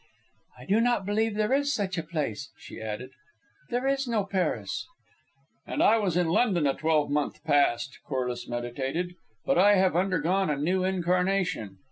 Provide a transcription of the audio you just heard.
"I do not believe there is such a place," she added. "There is no Paris." "And I was in London a twelvemonth past," Corliss meditated. "But I have undergone a new incarnation.